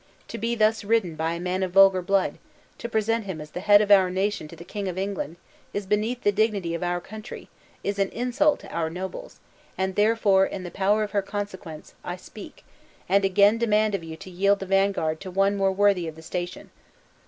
To be thus ridden by a man of vulgar blood; to present him as the head of our nation to the King of England, is beneath the dignity of our country, is an insult to our nobles; and therefore, in the power of her consequence, I speak, and again demand of you to yield the vanguard to one more worthy of the station.